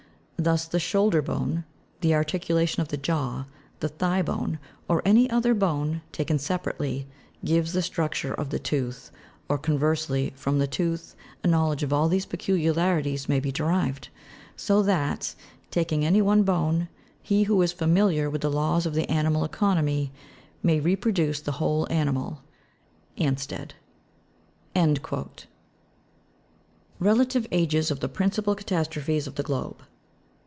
Thus the shoulder bone, the articulation of the jaw, the thigh bone, or any other bone, taken separately, gives the structure of the tooth, or, conversely, from the tooth, a knowledge of these peculiarities may be derived ; so that, taking any one bone, he who is familiar with the laws of the animal economy, may repro duce the whole animal." Ansted. RELATIVE AGES OF THE PRINCIPAL CATASTROPHES OF THE GLOBE.